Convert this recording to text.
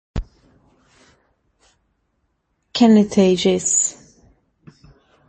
Kenny Teijsse